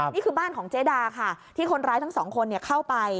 นี่คือบ้านของเจ๊ดาค่ะที่คนร้ายทั้งสองคนเข้าไป